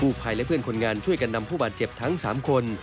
ภัยและเพื่อนคนงานช่วยกันนำผู้บาดเจ็บทั้ง๓คน